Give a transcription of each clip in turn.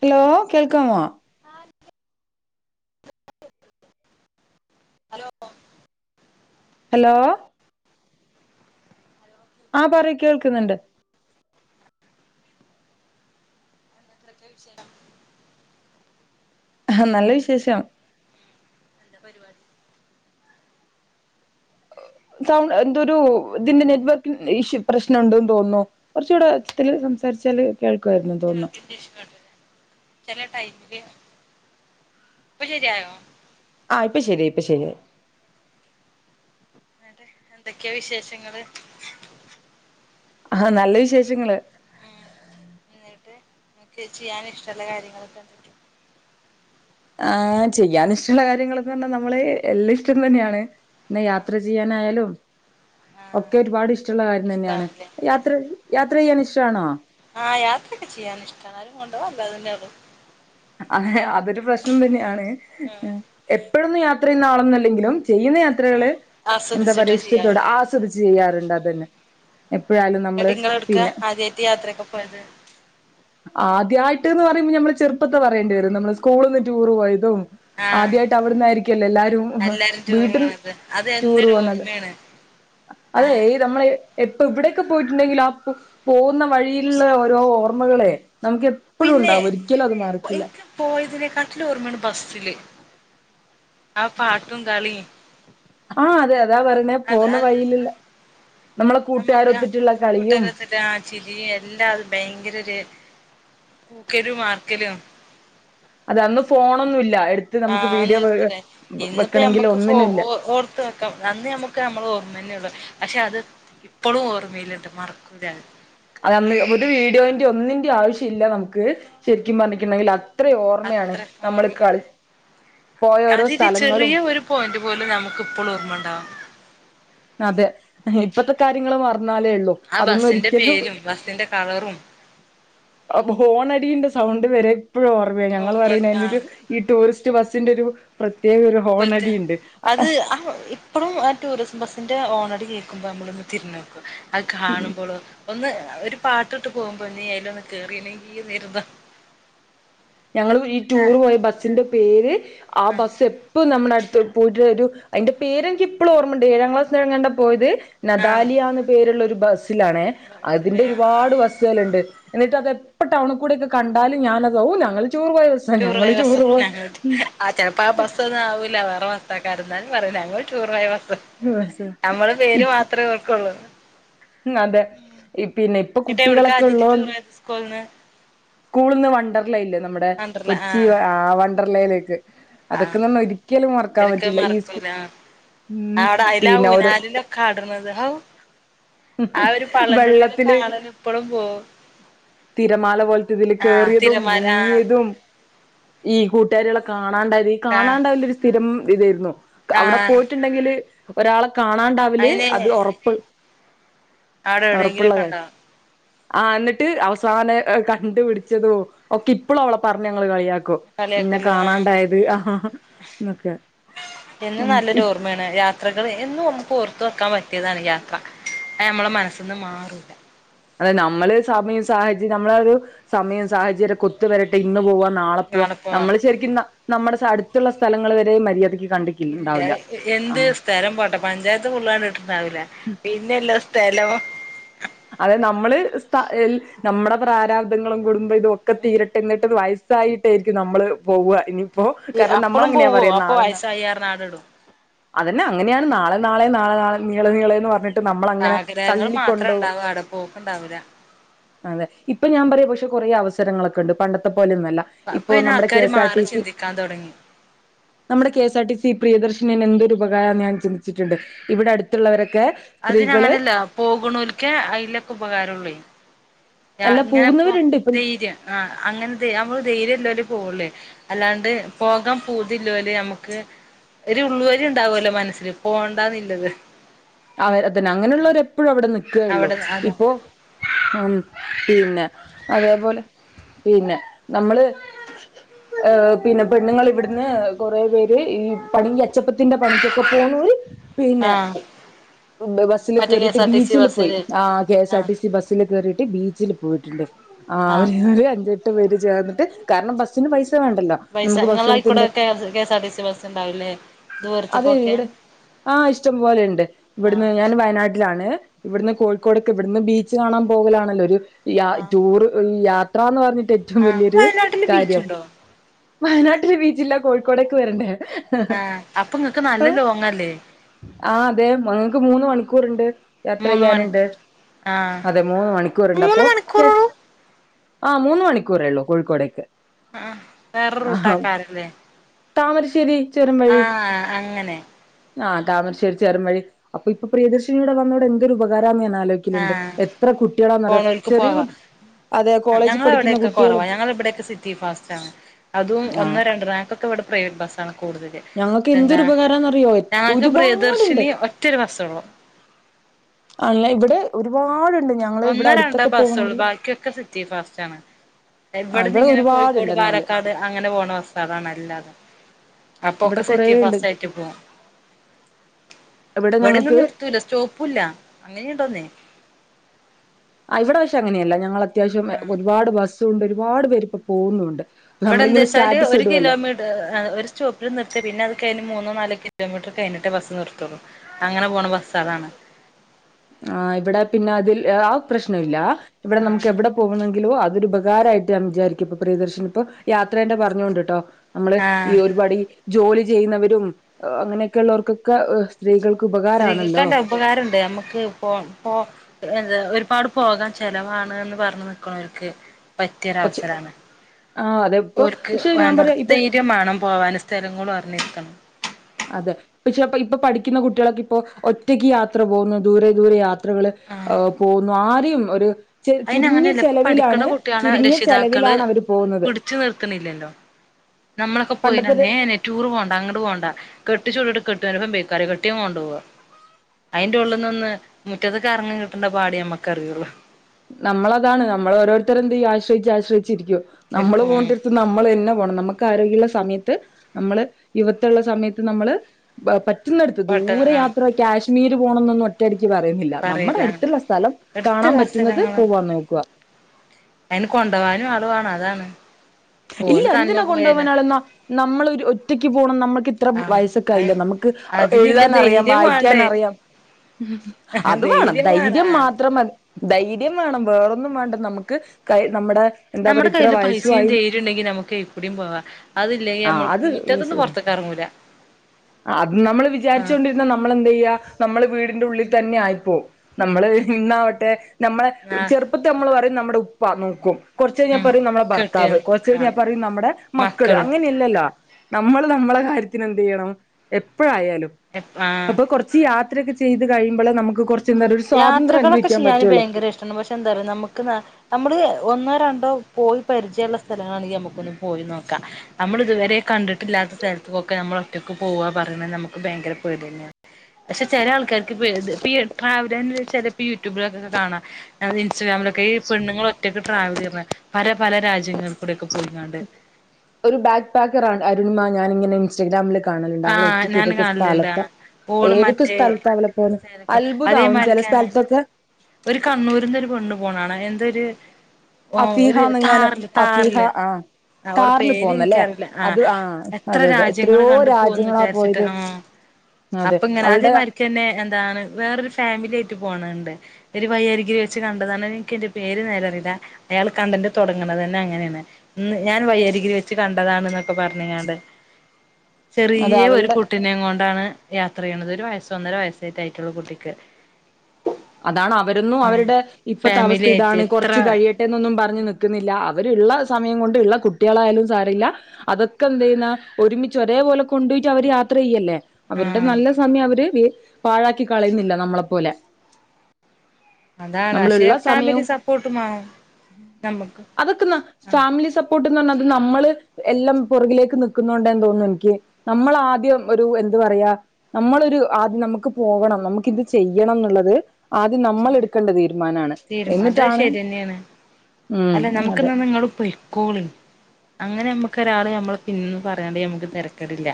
Hello കേൾക്കാമൊ hello [unintelligible] hello ആഹ് പറയ് കേൾക്ക്ന്ന്ണ്ട് എന്തെക്കെ വിഷയം ഹ നല്ല വിശേഷം പാടി സൗണ്ട് എന്തൊരു ഇതിന്റെ നെറ്റ്വർക്കി ഇഷ്യു പ്രശ്നണ്ട്ന് തോന്നു കൊറ്ച്ചൂടെ [unintelligible] സംസാ സ്ച്ചാല് കേൾ റ്റ് വർക്കിൻ്റെ ഇഷ്യൂ [unintelligible] ചെല ടൈമില് ഇപ്പൊ ശരിയായോ? ആഹ് ഇപ്പ ശരിയായി ഇപ്പ ശരിയായി. എന്നട്ട് എന്തക്കെയാ വിശേഷങ്ങള്? ആഹ് നല്ല വിശേഷങ്ങള് നിങ്ങക്ക് ചെയ്യാൻ ഇഷ്ടോള്ള കാര്യങ്ങള് എന്ത? [unintelligible] ആഹ് ചെയ്യാൻ ഇഷ്ടുള്ള കാര്യങ്ങളെന്നറഞ്ഞാ നമ്മള് എല്ലാ ഇഷ്ടം തന്നെയാണ്. ന്നെ യാത്ര ആഹ് ചെയ്യാനായാലും ആഹ് ഒക്കെ ഒരുപാട് ഇഷ്ടോള്ള കാര്യം തന്നെയാണ്. ഇഷ്ടാണല്ലേ യാത്ര യാത്ര ചെയ്യാൻ ഇഷ്ടാണോ? ആഹ് യാത്രെക്കെ ചെയ്യാനിഷ്ടാണ്. ആരും കൊണ്ടോവാനില്ലാതിന്റെഒള്ളു അഹ് അതൊരു പ്രശ്നം തന്നെയാണ് ആഹ് എപ്പ് പ്പഴൊന്നും യാത്ര ചെയ്യുന്ന ആളൊന്നല്ലെങ്കിലും ചെയ്യുന്ന യാത്രകൾ ആഹ് എന്താ ആസ്വദിച്ചിട്ടേ പറയാ ഇഷ്ടത്തോടെ ചെയ്യാറുള്ളൂ ആസ്വദിച്ച് ചെയ്യാറുണ്ട്. അതന്നെ എപ്പോഴായാലും എന്നിട്ട് നമ്മള് ഇങ്ങള് എവിടുക്ക പിന്നെ ആദ്യായിട്ട് യാത്രയൊക്കെ പോയത്. ആദ്യായിട്ട്ന്ന് പറയുമ്പോ ഞമ്മള് ചെറുപ്പത്തെ പറയേണ്ടി വരും. നമ്മള് സ്കൂള്ന്ന് റ്റൂറ് പോയതും ആഹ് ആദ്യട്ട് അവിടുന്നാരിക്കല്ലോ എല്ലാ എല്ലാരും ടൂറ് വീട്ടുന്ന് പോണത് അത് ടൂറ് എന്നൊരു പോവുന്നത്. ഓർമ്മയാണ് അതെ ഈ ആഹ് നമ്മളെ എപ്പ എവിടൊക്കെ പോയിട്ടുണ്ടെങ്കിലും ആ പോവുന്ന വഴിയിലുള്ള ഓരോ ഓർമ്മകളേ നമുക്ക് എപ്പഴും ഉണ്ടാവും ഒരിക്കലും അത് മറ എനിയ്ക്ക് പോ യതിനെക്കാട്ടില് ഓർമ്മ്യാണ് ബസ്സില്. ആ പാട്ടും കളീം ആ അതെ അതെ. അതാ പറണേ പോന്ന വഴിയില്ള്ള നമുക്ക ആ കൂട്ടരോത്ത്ട്ടാ ആ ചിരിയും എല്ലാതും ഭയങ്കര ഒര് കൂക്കലും ആർക്കലും അത് അന്ന് ഫോണൊന്നും ആ നിർത്തലേ ഇന്നിപ്പോ വെക്കണെങ്കിൽ ഞമ്മക്ക് ഫോ ഒന്നിനുല്ല ഓ ഓർത്ത് വെക്കാം അന്ന് ഞമ്മക്ക് ഞമ്മള ഓർമ്മ ന്നേള്ളൂ. പക്ഷേ അത് ഇപ്പളും ഓർമ്മയിലുണ്ട് മറക്കൂല്ലത് അതന്ന് ഒരു വീഡിയോന്റേം ഒന്നിന്റിം ആവശ്യം ഇല്ല നമുക്ക് ശരിക്കും പറഞ്ഞിട്ടുണെങ്കിൽ അത്ര ഓർമ്മയാണ് നമ്മള് കളി പോയ ഓരോ അതില് സ്ഥലങ്ങളും ചെറിയ ഒരു പോയിന്റ് പോലും നമുക്ക് ഇപ്പോൾ ഓർമ്മണ്ടാവും. അതെ ഇപ്പത്തെ കാര്യങ്ങള് മറ ന്നാലേള്ളൂ. ആ അതൊന്നും ബസ്സിന്റെ ഒരിക്കലും പേരും ബസ്സിന്റെ കളറും അപ്പ ഹോണടീന്റെ സൗണ്ട് വരെ ഇപ്പഴും ഓർമ്മയാ. ഞങ്ങൾ പറയിണ് അതിന്റെ ഒരു ആഹ് ഈ ടൂറിസ്റ്റ് ബസ്സിന്റെ ഒരു പ്രത്യേക ഒരു പ്പ ക്ക ഹോണടിണ്ട് അത് ആ ഇപ്പഴും ആ ടൂറിസ് ബസ്സി ന്റെ ഹോണടി കേൾക്കുമ്പോ നമ്മളൊന്ന് തിരുഞ്ഞോക്കും അത് കാണുമ്പോളോ ഒന്ന് ഒരു പാട്ടിട്ട് പോകുമ്പോ ഞ്ഞി അയിലൊന്ന് കേറില്ലെങ്കിന്നായിരുന്ന് ഞങ്ങളും ഈ ടൂർ പോയ ബസ്സിന്റെ പേര് ആ ആഹ് ബസ് എപ്പ നമ്മുടെ അടുത്ത് പോയിട്ട് ഒരു അയിന്റെ പേര് എനിക്ക് ഇപ്പളും ഓർമ്മണ്ട്. ഏഴാം ക്ലാസ് വരെ എങ്ങാണ്ട പോയത്. ആഹ് നദാലിയാന്ന് പേരുള്ള ഒരു ബസ് ത്തിലാണേ അതിന്റെ ഒരുപാട് ബസ്സുകൾണ്ട് എന്നിട്ട് അത് എ പ്പ ടൗണിക്കൂടെയൊക്കെ കണ്ടാലും ഞാനത് ഓ ഞ ടൂറ് പോയ ബസ്സാ. [unintelligible] ആ ചിലപ്പ ആ ബസ്സൊന്നും ആവൂല്ല വേറെ വ തക്കാട്ന്നാണ് ന്നാലും പറയുംല്ലേ ഞങ്ങള് ടൂറ് പോയബസ്. ബസ്സാ നമ്മള് പേര് മാത്രേ ഓർക്കുള്ളൂ. ഉം അതെ ഇപ്പ്ന്നെ ഇപ്പ എന്നിട്ട് എവിടക്കാ കുട്ടികളൊക്കെ ആദ്യായിട്ട് ഉള്ളോ ടൂർ പോയത് സ്കൂൾന്ന് സ്കൂളന്ന് വണ്ടർലേല് വണ്ടർലാ കൊച്ചി ആഹ് ആ വണ്ടർലയിലേക്ക് ആഹ് അതൊക്കെന്ന് പറഞ്ഞാ ഒരിക്കലും മറക്കാൻ പറ്റില്ല ഈ സ്കൂ ആ ഉം അവടെ അയിലാ പിന്നെ ഓരോ ഊഞ്ഞാലിലൊക്കെ ആടണത് ഹൗ ആ ഒരു പള്ളന്റുള്ളിലെ വെള്ളത്തില് കാളല് ഇപ്പളും പോവും തിരമാല പോലത്തെ ഇതില് ആഹ് കേറ്യതും തിരമാല മുങ്ങിയതും ഈ കൂട്ടുകാരികളൊ കാണാണ്ടാവല്. ആഹ് കാണാണ്ടാവല് ഒര് സ്ഥിരം ഇതേയിരുന്നു. അവിടെ ആഹ് പോയിട്ടുണ്ടെങ്കില് ഒരാളെ കാണാണ്ടാവല് അത് ഒറപ്പ് ആട ഒറപ്പുള്ള കാര്യം എവിടെങ്കിലൊക്കെണ്ടാവും ആ ന്നിട്ട് അവസാന കണ്ടുപിടിച്ചതും ഒക്കെ ഇപ്പളും ഓളെ പറഞ്ഞങ്ങള് കളിയാക്കും. നിന്നെ കളിയാക്കല് ആഹ് കാണാണ്ടായത് എന്നൊക്കെ എന്നും ഉം നല്ലൊരു ഇപ്പ ഓർമ്മയാണ്. യാത്രകൾ എന്നും നമുക്ക് ഓർ ത്തു വെക്കാൻ പറ്റിയതാണ് യാത്ര. അത് നമ്മള മനസ്സന്ന് മാറൂല്ല അതെ നമ്മള് സമയം സാഹചര്യം നമ്മള ഒരു സമയും സാഹചര്യക്കേ ഒത്തുവരട്ടെ ഇന്ന് പൂവ്വാ നാളെ പൂവാ നമ്മള് ശരിക്കും നമ്മടെ അടുത്തുള്ള സ്ഥലങ്ങൾ വരെ മര്യാദക്ക് ഇല്ല കണ്ടിട്ടുണ്ടാവില്ല ആ എന്ത് സ്ഥലം പോട്ടെ പഞ്ചായത്ത് ഫുള്ള് കണ്ടിട്ടിണ്ടാവില്ല. പിന്നല്ലാ സ്ഥലം. അതെ നമ്മള് സ്ഥ എൽ ഞമ്മടെ പ്രാരാബ്ദങ്ങളും കുടും ബ ഇതൊക്കെ തീരട്ടെ എന്നിട്ട് വയസ്സായിട്ടായിരിക്കും നമ്മള് പോവ്വാ ഇനി. അപ്പോ കാരണം നമ്മള അപ്പളും അങ്ങനെയാ പോവോ പറയാ അപ്പൊ നാളെ നാ വയസ്സായി പറഞ്ഞ് ആടെ ഇടും അതന്നെ അങ്ങനെയാണ്. നാളെ നാളെ നാളെ നാളെ നീളേ നീളേന്ന് പറഞ്ഞിട്ട് നമ്മളങ്ങനെ ആഗ്രഹങ്ങൾ തള്ളി മാത്രം കൊണ്ടോവും. ഉണ്ടാവ ആടെ പോക്കുണ്ടാവൂല അതേ ഇപ്പ ഞാൻ പറയാ പക്ഷേ കൊറേ അവസരങ്ങളൊക്കെണ്ട് പണ്ടത്തെ പോലെയൊന്നല്ല അപ്പൊ ഇപ്പൊ അയിന് നമ്മുടെ ആൾക്കാര് മാറി കെസ്ആർടിസി ചിന്തിക്കാൻ തുടങ്ങി നമ്മടെ K S R T C പ്രിയദർശനിയെന്നെ എന്തൊരു ഉപകാരാന്ന് ഞാൻ ചിന്തിച്ചിട്ട്ണ്ട് ഇവിടെ അടുത്ത്ള്ളവരെ അതിനങ്ങനെല്ല പോക്ണോൽക്കേ അയ്ലക്കെ ഉപകാരൊള്ളയ്. ഞാ അല്ല ഇങ്ങനെ ഇപ്പോ പോകുന്നവരുണ്ട് ഇപ്പം ധൈര്യം ആ അങ്ങനെ നമ്മള് ധൈര്യല്ലോലേ പോവൊള്ളേ. അല്ലാണ്ട് പോകാൻ പൂതില്ലോല് ഞമ്ക്ക് ഒരു ഉള്ളുവലി ഇണ്ടാവൊല്ലോ മനസ്സില് പോണ്ടാന്നില്ലത് അവ അതന്നെ അങ്ങനെയുള്ളവരെ എപ്പഴും അവടെ നിക്കേള്ളൂ അവിടെ അത ഇപ്പൊ ഉം പിന്നെ അതേപോലെ പിന്നെ നമ്മള് ഏഹ് പിന്നെ പെണ്ണുങ്ങള് ഇവിട്ന്ന് കൊറേ പേര് ഈ പണി അച്ചപ്പത്തിന്റെ പണിക്കൊക്കെ പോണോര് ആഹ് ഇണ്ട് ബസ്സില് കേറിയിട്ട് ബീച്ചില് പോയി. ആ കെ എസ് ആ ആർ ടി സി ബസ്സില് കേറിയിട്ട് ബീച്ചില് പോയിട്ട്ണ്ട്. ആഹ് ആ അവര് ഒരു അഞ്ചെട്ട് പേര് ചേർന്നിട്ട് കാരണം ബസ്സിന് പൈസ് പൈസ ഇങ്ങളയ്ക്കൂടെ K S K S R T C ബസ്ണ്ടാവുല്ലേ ദൂരത്ത്ക്കൊക്കേ ആഹ് ഇഷ്ടം പോലെ ഇണ്ട്. ഇവട്ന്ന് ഞാൻ വയനാട്ടിലാണ്. ഇവ്ട്ന്ന് കോഴിക്കോട്ക്ക് ഇവിട്ന്ന് ബീച്ച് കാണാൻ പോവലാണല്ലോ ഒരു യാ ആ ടൂറ് ഈ യാത്രാന്ന് പറഞ്ഞിട്ട് ഏറ്റവും വല്യൊരു വയനാട്ടില് കാര്യം. ബീച്ചുണ്ടോ വയനാട്ടില് ബീച്ചില്ലാ കോഴിക്കോടേക്ക് വരണ്ടേ ആഹ് അപ്പൊ ഇങ്ങക്ക് നല്ല ആഹ് ലോങ്ങല്ലേ അതെ മ മൂന്ന് മണിക്കൂറ്ണ്ട്. യാത്ര മൂന്ന് ചെയ്യാന്ണ്ട് മണിക്കൂർ ആഹ് അതെ മൂന്ന് മണിക്കൂറ്ണ്ട് മൂന്ന് അപ്പൊ യെസ് മണിക്കൂറോളൂ ആഹ് മൂന്ന് മണിക്കൂറേള്ളൂ കോഴിക്കോടേക്ക്. ആഹ് വേറെ ആ റൂട്ടാക്കാരല്ലേ. താമരശ്ശേരി ചുരം വഴി ആഹ് അങ്ങനെ ആഹ് താമരശ്ശേരി ചൊരം വഴി അപ്പ ഇപ്പ പ്രദർശിനിയിവടെ വന്നോടെ എന്തൊരു ഉപകാ രാന്ന് ഞാൻ ആലോയ്ക്കല്ണ്ട് ആഹ് എത്ര കുട്ടികളാന്നറിയോ ചെറിയ കു അതെ കോളേജിൽ പഠിക്കുന്ന ഞങ്ങളവടെക്കെ കൊറവാ കുട്ടികളും ഞങ്ങളെ ഇബ്ടെക്കെ സിറ്റി ഫാസ്റ്റ് ആണ്. അതും ആ ഒന്നോ രണ്ട് [unintelligible] ഇവിടെ പ്രൈവറ്റ് ബസ്സാണ് കൂടുതല് ഞങ്ങൾക്ക് എന്തൊരു [unintelligible] ഉപകാരംന്നറിയോ ഞങ്ങക്ക് ഒരുപാടുണ്ട് പ്രിയദർശിനി ഒറ്റൊരു ബസ്സേ ഉള്ളു [unintelligible] മ്ഹ് ഒരുപാടുണ്ട് ഞങ്ങള് ഇവിടെ ഒന്നൊ രണ്ടൊ അടുത്തൊക്കെ ബസ്സുള്ളു. പോകണെങ്കിൽ ബാക്കിയൊക്കെ സിറ്റി ഫാസ്റ്റ് ആണ്. ആ ഇവിട്ന്ന് ഇവിടെ ഇങ്ങനെ കോഴിക്കോട് ഒരുപാടുണ്ട് എന്നാല് പാലക്കാട് അങ്ങനെ പോണ ബസ്സാണ് അതാ നല്ലത്. അപ്പൊക്കെ ഇവിടെ കൊറേ സിറ്റി ഉണ്ട് ഫസ്റ്റ് ആയിട്ട് പോവും. ഇവിടെ ഇവിടൊന്നും ഞങ്ങൾക്ക് നിർത്തൂല സ്റ്റോപ്പുല്ല അങ്ങനെ ഉണ്ടെന്നേ. ആഹ് ഇവിടെ പക്ഷെ അങ്ങനെയല്ല. ഞങ്ങള് അത്യാവശ്യം ഒരുപാട് ബസുണ്ട് ഒരുപാട് പേരിപ്പോ പോകുന്നുമുണ്ട്. അവിടെ എന്താച്ചാല് ഒരു കിലോമീറ്റ, ഒരു സ്റ്റോപ്പില് നിർത്യാ പിന്നത് കഴിഞ്ഞ് മൂന്നോ നാലോ കിലോമീറ്ററ് കഴിഞ്ഞിട്ടേ ബസ് നിർത്തൊള്ളു. അങ്ങനെ പോണ ബസ്സ് അതാണ് ആഹ് ഇവിടെ പിന്നെ അതിൽ അത് പ്രശ്നമില്ല. ഇവിടെ നമുക്ക് ആഹ് എവിടെ പോവുന്നെങ്കിലും അ അതൊരുപകാരായിട്ട് ഞാൻ വിചാരിക്കും ഇപ്പ പ്രിയദർശിനി ഇപ്പോ യാത്രേന്റെ പറഞ്ഞു കൊണ്ട്ട്ടോ. നമ്മള് ഈ ആഹ് ഒരുപാട് ഈ ജോലി ചെയ്യുന്നവരും അങ്ങനെയൊക്കെ ഉള്ളവർക്കൊക്കെ സ്ത്രീകൾ സ്ത്രീകൾക്ക് [unintelligible] ഉപകാരണ്ട് നമ്മക്ക് പോൻ പോ എന്താ ഒരുപാട് പോകാൻ ചെലവാണ് എന്ന് പറഞ്ഞ് നിക്കണൊര്ക്ക് പറ്റിയൊരു പക്ഷെ അവസരാണ്. ആ അതെ ഇപ്പൊ ഓർക്ക് പക്ഷെ ഞാൻ വേണ്ടട, പറയാ ഇപ്പൊ ധൈര്യം വേണം പോവാന് സ്ഥലങ്ങളും അറിഞ്ഞിരിക്കണം അതെ ഇപ്പ ചെലപ്പോ ഇപ്പ പഠിക്കുന്ന കുട്ടികളൊക്കെ ഇപ്പോ ഒറ്റയ്ക്ക് യാത്ര പോകുന്നു ദൂരെ ദൂരെ യാത് [unintelligible] ഏഹ് പോകുന്നു ആരെയും ഒര് അയിന് അങ്ങനെയല്ല ഇപ്പൊ പഠിക്കണ കുട്ട്യള ചുരുങ്ങിയ രക്ഷിതാക്കള് ചെലവിലാണ് അവര് പോകുന്നത് പിടിച്ചു നിർത്തണില്ലല്ലോ. നമ്മളൊക്കെ പോയി പണ്ടത്തെ [unintelligible] നീ ടൂറ് പോവണ്ട അങ്ങട് പോവണ്ട കെട്ടിച്ചു വിട്ടിട്ട് കെട്ട്യോന്റെ ഒപ്പം പൊയ്ക്കോ ആര് കെട്ട്യോൻ കൊണ്ടൊവൊ അയിന്റെ ഉള്ളിൽ നിന്ന് മുറ്റത്ത്ക്ക് എറങ്ങാൻ കിട്ടണ്ട പാട് ഞമ്മക്കേ അറിയുള്ളു നമ്മള് അതാണ് നമ്മള് ഓരോരുത്തരെ എന്ത്‌ ചെയ്യും ആശ്രയിച്ച് ആശ്രയിച്ചിരിക്കും. നമ്മള് ശരിക്കും പോണ്ടിടത് നമ്മളെന്നെ പോണം നമ്മുക്ക് ആരോഗ്യ ള്ള സമയത്ത് നമ്മള് ഇവ്‌ത്തുള്ള സമയത്ത് നമ്മള് ബ പ റ്റുന്നടുത്ത് ദൂര പെട്ടെന്ന് ആഹ് യാത്ര കാശ്മീര് പോണംന്നൊന്നും ഒറ്റടിക് ക്ക് പറയുന്നില്ല നമ്മടെ പറയില്ല അടുത്തുള്ള സ്ഥലം കാണാൻ പറ്റുന്നത് പോവാൻ നോക്കുക അയ്ന് കൊണ്ടവാനും ആള് വേണം അതാന് ഇല്ല എന്തിനാ കൊണ്ടുപോവാന് ആള് ന നമ്മള് ഒരു ഒറ്റക്ക് പോണം നമ്മൾ ക്ക്‌ ഇത്ര ആഹ് വയസ്സൊക്കെ അയി ആയില്ലേ നമ്മക്ക് അതിനില്ല എഴുതാനറിയാം ധൈര്യം വേണ്ടേ വായിക്കാനറിയാം അത് വേണം ധൈര്യം മാത്രം മത് ധൈര്യം വേണം വേറൊ ന്നും വേണ്ട നമ്മക്ക് കയ് നമ്മടെ എന്താ പറയ ഇത്ര വയസുവായി ണ്ടെങ്കി നമ്മുക്ക് എവിടേം പോവാ അതില്ലെങ്കി ആഹ് നമ്മൾ അത് മുറ്റത്ത്ന്ന്‌ പൊറത്തക്കറങ്ങൂല അത് നമ്മള് വിചാരിച്ചോണ്ടിരുന്ന നമ്മള് എന്ത്‌യ്യാ നമ്മള് വീടിന്റെ ഉള്ളിൽ തന്നെ ആയിപ്പോവും നമ്മള് ഇന്നാവട്ടെ നമ്മള് ആ ചെറുപ്പത്തി നമ്മള് പറയും നമ്മട് ടെ ഉപ്പ നോക്കും കൊറച്ച് കഴിഞ്ഞാൽ ഉം പറയും നമ്മടെ കെട്ടിയോൻ ഭർത്താവ് കൊറച്ച് ആ കഴിഞ്ഞാൽ പറയും നമ്മടെ മക്കള് അങ്ങനല്ലല്ലോ ആ നമ്മള് നമ്മളെ കാര്യത്തിന് എന്ത്യ്യണം എപ്പോഴായാലും ആ അപ്പൊ കൊറച്ച് യാ ത്രൊക്കെ ചെയ്ത് കഴിയുമ്പഴേ നമ്മക്ക് കൊറച് യാത്രകളൊക്കെ ചെയ്യാന് ഭയങ്കര ഇഷ്ടാണ് പക്ഷെ എന്തറിയോ നമ്മക്ക് നമ്മള് ഒന്നോ രണ്ടോ പോയി പരിചയള്ള സ്ഥലങ്ങളണെങ്കി നമുക്കൊന്ന്‌ പോയി നോക്കാം നമ്മൾ ഇതുവരെ കണ്ടിട്ടില്ലാ ത്ത സ്ഥലത്തൊക്കെ നമ്മള് ഒറ്റക്ക് പോവാ പറയുന്നത് നമ്മക്ക് ഭയര പെട്യെന്നാണ് പക്ഷെ ചെല ആൾക്കാര്ക്ക് പേ ഇത് പി ഇ ട്രാവലയണ ചെലപ്പോ യൂട്യൂബിലൊക്കെ കാണാം [unintelligible] ഇൻസ്റ്റഗ്രാമിലൊക്കെഈ പെണ്ണുങ്ങള് ഒറ്റക്ക്ട്രാവലിയുന്ന പല പല രാജ്യങ്ങളിൽ കൂടൊക്കെ ഒരു ബാക്ക് പാക്കറാണ് അരുണിമ ഞാനിങ്ങനെ ഇൻസ്റ്റഗ്രാമിലൊക്കെ കാണലുണ്ട് അവള് ആഹ് ഒറ്റക്ക് ഞാൻ ഏതൊക്കെ കാണലുണ്ട് സ്ഥലത്ത് ആഹ് ഓള് ഏതൊക്കെ മറ്റേ സ്ഥലത്താ അവളിപ്പോ അത്ഭുതാവും ചെല അതേമാരിക്കാണ് സ്ഥലത്തൊക്കെ ഒരു കണ്ണൂരിന്ന് ഒരു പെണ്ണു പോണാ കാണാം എന്ത ഒര് ഓ ഒരു അഫീഹാന്നെങ്ങാനും താറില് അഫീഹ താറില് ആ അവള് കാറില് പേര് പോന്നല്ലേ എനിക്കറിയില്ല ആ അത് എത്ര അതെ അതെ രാജ്യങ്ങള് എത്രയോ കണ്ട് പോ ന്ന് രാജ്യങ്ങളാ വിചാരിച്ചിട്ട് പോയത് ആ അപ്പൊ ഇങ്ങനെ അതെ മാരിക്കന്നെ എന്താണ് വേറൊരു ഫാമിലി ആയിട്ട് പോണം ണ്ട് ഒരു വഴ്യരികി വെച്ച് കണ്ടതാണ് എനിക്ക് അയ്ന്റെ പേര് നേരറിയില്ല അയാള് കണ്ടന്റ് തൊടങ്ങണതന്നെ അങ്ങനാണ് ഇന്ന് ഞാന് വഴ്യരികില് വെച്ച് കണ്ടതാണ്ന്നൊക്കെ പറഞ്ഞങ്ങാണ്ട് അതെ ചെറിയ ഒരു അവളുടെ കുട്ടിനേം കൊണ്ടാണ് യാത്രയ്യണത് ഒരുവയസ്സ് സ് ഒന്നര വയസ്സൊകായിട്ടുള്ളൂ കുട്ടിക്ക് അതാണ് അവരൊന്നും ആഹ് അവരുടെ ഇപ്പോത്തെ അവസ്ഥ ഫാമിലി ആയിട്ട് ഇതാണ് എത്ര കൊറച്ച് കഴിയട്ടെന്നൊന്നും പറഞ്ഞ് നിക്കുന്നില്ല അവര് ഇള്ള സമയം കൊണ്ട് ഉള്ള കുട്ടികളായാലും സാരില്ല അതൊക്കെ എന്ത്യ്യന്ന ഒരുമിച്ച് ഒരേപോലെ കൊണ്ടോയിട്ട് അവര്യാ യത്രയല്ലേ അവരുടെ ആഹ് നല്ല സമയം അവര് പാഴാക്കി കളയുന്നില്ല നമ്മളെപ്പോലെ അതാണ് ക്ഷെ ഫാമിലി സപ്പോർട്ടും വാണം അതൊക്കെന്നാ ഫാമിലി സപ്പോർട്ട്ന്ന് പറന്ന നമ്മള് എല്ലം പുറകിലേക്ക് നിക്കുന്നുണ്ടന്ന് തോന്നുന്നു എനിക്ക് നമ്മൾ ആദ്യം ഒരു എന്ത് പറയാ നമ്മളൊരു ആദ്യം നമുക്ക് പോകണം നമുക്ക് ഇത് ചെയ്യണം എന്നുള്ളത് ആദ്യം നമ്മൾ ശരി എടുക്കേണ്ട തീരുമാനാണ് തീരും അത് എന്നിട്ടാണ് ശരിയന്നെയാണ് ഉം അല്ല അതെ നമുക്ക്ന്നാ നിങ്ങള് പോയിക്കോളി അങ്ങനെ നമ്മ രാള് നമ്മള് പിന്ന്ന്ന് പറയാണ്ട് നമക്ക് തരക്കടില്ല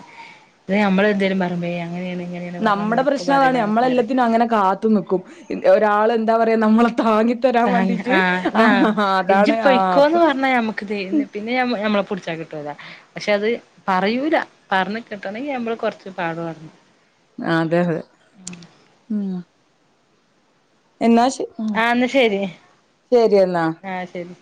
അത് നമ്മൾന്തെലും പറയ്ബോ ഏ നമ്മടെ പ്രശ്നം അതാണ് നമ്മളെല്ലത്തിനും അങ്ങനെ കാത്തു നിക്കും ഒരാൾ എന്താ പറയാ നമ്മള താങ്ങ ആ എന്നാ ഇജ്ജ് അതാണ് ആ പൊയ്ക്കോന്ന് അപ്പൊ പറഞ്ഞാ ഞമ്മക്ക് ത്തി പിന്നെ ഞമ്മ പ പുടിച്ചാ കിട്ടൂല പക്ഷെ അത് പറയൂല പറഞ്ഞ് കിട്ടണങ്കി നമ്മള് കൊറച്ച് പാടുപടണം അതെ തെ മം എന്നാശ ആ ന്നാ ശരി എന്നാ ആ ശരി